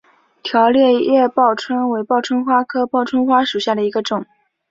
条裂叶报春为报春花科报春花属下的一个种。